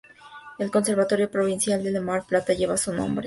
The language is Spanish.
El Conservatorio Provincial de Mar del Plata lleva su nombre.